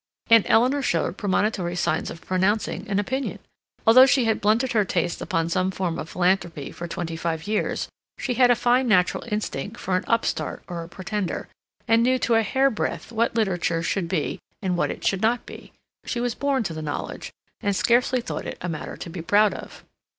Aunt Eleanor showed premonitory signs of pronouncing an opinion. Although she had blunted her taste upon some form of philanthropy for twenty five years, she had a fine natural instinct for an upstart or a pretender, and knew to a hairbreadth what literature should be and what it should not be. She was born to the knowledge, and scarcely thought it a matter to be proud of.